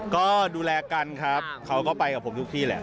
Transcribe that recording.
ก็ดูแลกันครับเขาก็ไปกับผมทุกที่แหละ